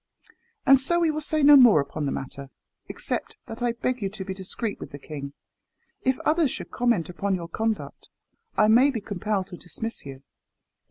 And so we will say no more upon the matter, except that I beg you to be discreet with the king. If others should comment upon your conduct, I may be compelled to dismiss you."